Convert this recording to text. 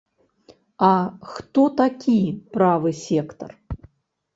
А хто такі правы сектар?